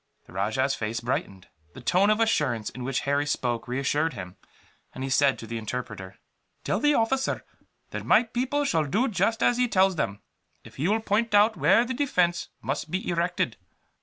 The rajah's face brightened. The tone of assurance in which Harry spoke reassured him, and he said to the interpreter: "Tell the officer that my people shall do just as he tells them, if he will point out where the defence must be erected."